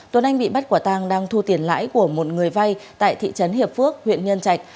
tuấn anh bị bắt quả tang đang thu tiền lãi của một người vay tại thị trấn hiệp phước huyện nhân trạch